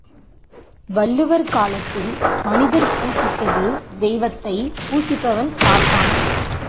வள்ளுவர் காலத்தில் மனிதர் பூசித்தது தெய்வத்தை பூசிப்பவன் சாத்தான்.